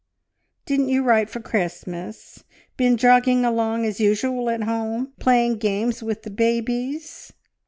Didn't you write for Christmas? Been jogging along as usual at home, playing games with the babies?"